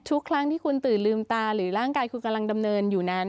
ทุกครั้งที่คุณตื่นลืมตาหรือร่างกายคุณกำลังดำเนินอยู่นั้น